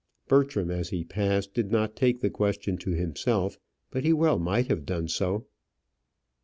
Bertram, as he passed, did not take the question to himself; but he well might have done so.